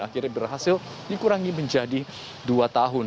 akhirnya berhasil dikurangi menjadi dua tahun